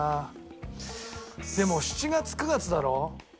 でも７月９月だろ？